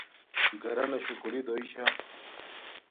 گَرَنݳ شُکُلݵ دݸئی شݳ.